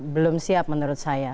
belum siap menurut saya